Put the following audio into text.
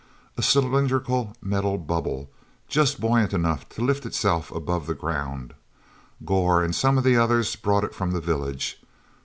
A cylindrical metal bubble, just buoyant enough to lift itself above the ground—Gor and some of the others brought it from the village.